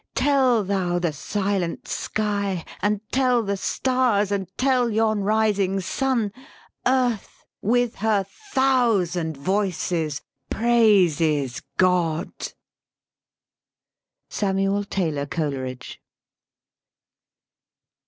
tell thou the silent sky, THE SPEAKING VOICE And tell the stars, and tell yon rising sun, Earth, with her thousand voices, praises God." SAMUEL TAYLOR COLERIDGE.